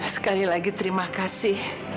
sekali lagi terima kasih